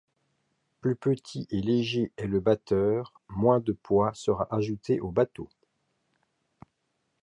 Plus petit et léger est le batteur, moins de poids sera ajouté au bateau.